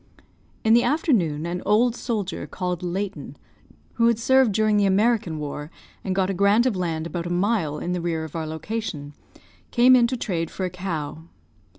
In the afternoon an old soldier, called Layton, who had served during the American war, and got a grant of land about a mile in the rear of our location, came in to trade for a cow.